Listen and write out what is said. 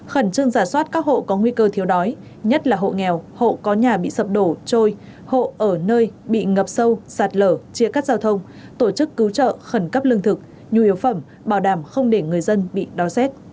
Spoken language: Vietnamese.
khẩn trương giả soát các hộ có nguy cơ thiếu đói nhất là hộ nghèo hộ có nhà bị sập đổ trôi hộ ở nơi bị ngập sâu sạt lở chia cắt giao thông tổ chức cứu trợ khẩn cấp lương thực nhu yếu phẩm bảo đảm không để người dân bị đói rét